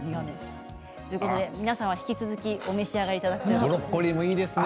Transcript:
皆さん引き続きお召し上がりいただいて。